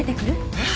えっ？